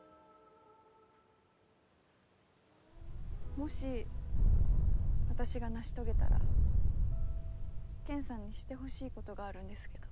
もしあたしが成し遂げたらケンさんにしてほしいことがあるんですけど。